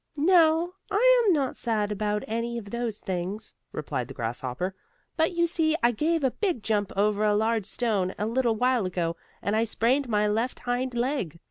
"No, I am not sad about any of those things," replied the grasshopper, "but you see I gave a big jump over a large stone a little while ago, and I sprained my left hind leg.